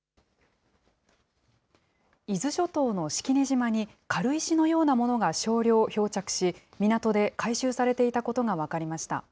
伊豆諸島の式根島に軽石のようなものが少量漂着し、港で回収されていたことが分かりました。